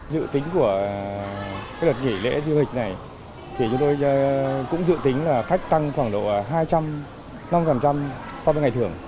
dự tính của lật nghỉ lễ dư hịch này thì chúng tôi cũng dự tính là khách tăng khoảng độ hai mươi năm so với ngày thường